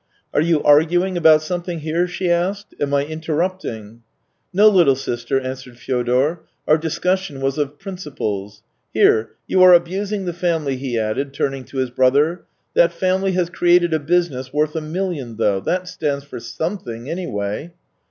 " Are you arguing about something here ?" she asked. "Am I interrupting?" " No, little sister," answered Fyodor. " Our discussion was of principles. Here, you are abusing the family," he added, turning to his brother. " Tliat family has created a business worth a milHon, though. That stands for something, anyway